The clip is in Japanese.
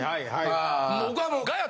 僕はもう。